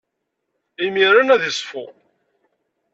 Imiren ad iṣfu.